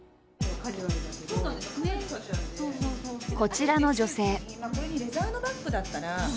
こちらの女性。